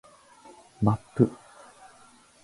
マップ